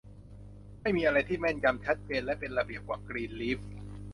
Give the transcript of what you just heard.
ไม่มีอะไรที่แม่นยำ ชัดเจนและเป็นระเบียบกว่ากรีนลีฟ